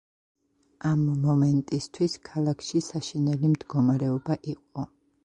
ამ მომენტისათვის ქალაქში საშინელი მდგომარეობა იყო.